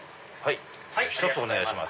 １つお願いします。